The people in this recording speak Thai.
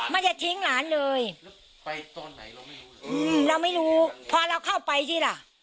มันจะทิ้งหลานเลยเราไม่รู้พอเราเข้าไปสิล่ะ